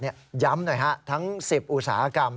ย้ำหน่อยทั้ง๑๐อุตสาหกรรม